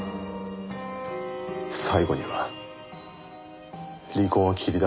最後には離婚を切り出されました。